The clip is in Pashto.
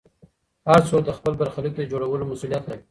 هر څوک د خپل برخلیک د جوړولو مسوولیت لري.